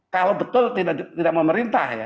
kalau betul tidak memerintah ya